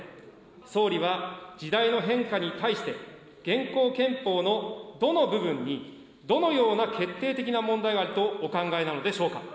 総理は、時代の変化に対して、現行憲法のどの部分に、どのような決定的な問題があるとお考えなのでしょうか。